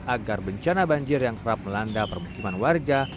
agar bencana banjir yang kerap melanda permukiman warga